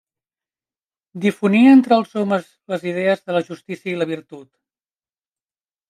Difonia entre els homes les idees de la justícia i la virtut.